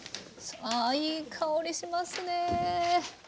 ああいい香りしますね！